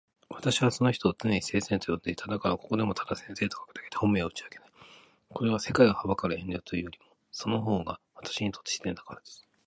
私はその人を常に先生と呼んでいた。だからここでもただ先生と書くだけで本名は打ち明けない。これは、世界を憚る遠慮というよりも、その方が私にとって自然だからです。